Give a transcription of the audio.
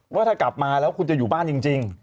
ว่าถ้ากลับมาแล้วคุณจะอยู่บ้านจริง